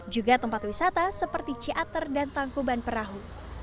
juga tempat wisata seperti ciater dan tangkuban perahu